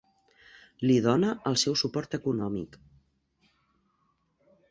Li dóna el seu suport econòmic.